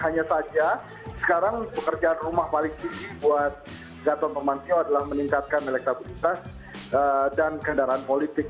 hanya saja sekarang pekerjaan rumah paling tinggi buat gatot nurmantio adalah meningkatkan elektabilitas dan kendaraan politik